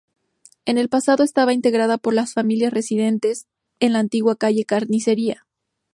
En el pasado estaba integrada por las familias residentes en la antigua Calle Carnicería.